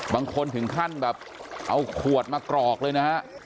บางคนถึงขั้นแบบเอาขวดมากรอกเลยนะฮะ